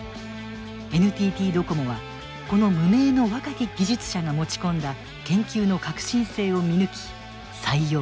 ＮＴＴドコモはこの無名の若き技術者が持ち込んだ研究の革新性を見抜き採用。